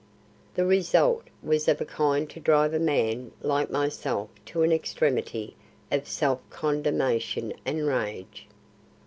The result was of a kind to drive a man like myself to an extremity of self condemnation and rage.